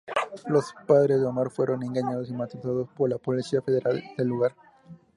Los padres de Omar fueron engañados y maltratados por la policía federal del lugar.